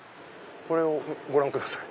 これをご覧ください。